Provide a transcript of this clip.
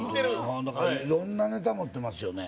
色んなネタ持ってますよね